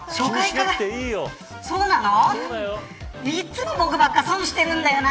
いつも僕ばっかり損しているんだよな